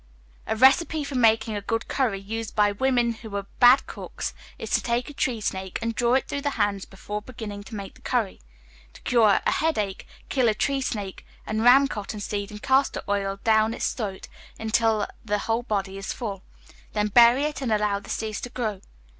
A recipe for making a good curry, used by women who are bad cooks, is to take a tree snake, and draw it through the hands before beginning to make the curry. To cure a headache, kill a tree snake, and ram cotton seed and castor oil down its throat, until the whole body is full. Then bury it, and allow the seeds to grow.